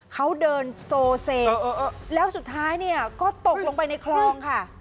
เขาเดินโซเซแล้วสุดท้ายเนี่ยก็ตกลงไปในคลองค่ะ